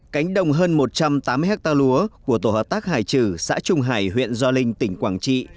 cánh đồng hơn một trăm tám mươi hectare lúa của tổ hợp tác hải trừ xã trung hải huyện do linh tỉnh quảng trị